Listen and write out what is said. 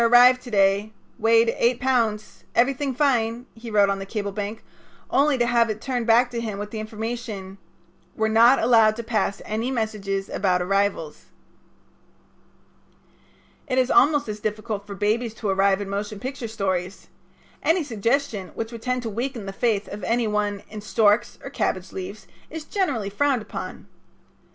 arrived to day. Weight eight pounds. Everything fine," he wrote on the cable blank, only to have it turned back to him with the information: "We're not allowed to pass any messages about arrivals." It is almost as difficult for babies to arrive in motion picture stories. Any suggestion which would tend to weaken the faith of any one in storks or cabbage leaves is generally frowned upon.